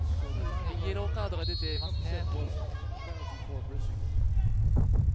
イエローカードが出ていますね。